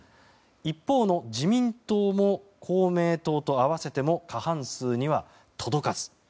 一方の自民党も、公明党と合わせても過半数には届かず。